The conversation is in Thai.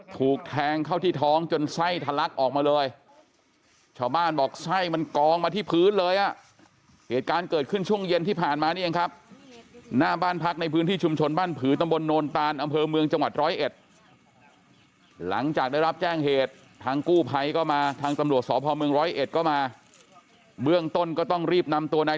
ถูกแทงเข้าที่ท้องจนไส้ทะลักออกมาเลยชาวบ้านบอกไส้มันกองมาที่พื้นเลยอ่ะเหตุการณ์เกิดขึ้นช่วงเย็นที่ผ่านมานี่เองครับหน้าบ้านพักในพื้นที่ชุมชนบ้านผือตำบลโนนตานอำเภอเมืองจังหวัดร้อยเอ็ดหลังจากได้รับแจ้งเหตุทางกู้ภัยก็มาทางตำรวจสพเมืองร้อยเอ็ดก็มาเบื้องต้นก็ต้องรีบนำตัวนาย